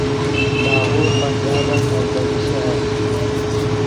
لاہور پنجابن مرکزی شہر